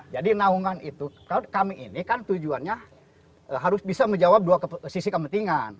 jadi naungan itu kalau kami ini kan tujuannya harus bisa menjawab dua sisi kepentingan